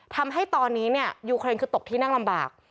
ทำให้ตอนนี้เนี่ยยูเครนคือตกที่นั่งลำบาก